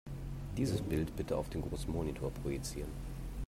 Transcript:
Dieses Bild bitte auf den großen Monitor projizieren.